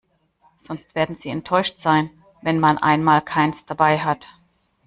Sonst werden sie enttäuscht sein, wenn man einmal keins dabei hat.